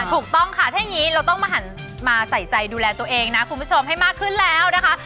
ถูกต้องค่ะถ้าอย่างนี้เราต้องมาหันมาใส่ใจดูแลตัวเองนะคุณผู้ชมให้มากขึ้นแล้วนะคะ